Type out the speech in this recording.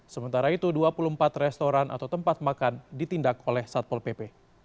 sementara itu dua puluh empat restoran atau tempat makan ditindak oleh satpol pp